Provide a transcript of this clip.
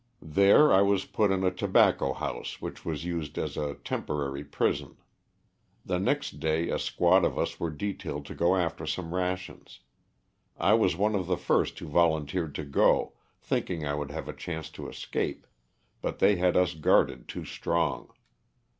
There I was put in a tobacco house which was used as a temporary prison. The next day a squad of us were detailed to go after some rations. I was one of the first who volunteered to go, thinking I would have a chance to escape, but they had us guarded too strong.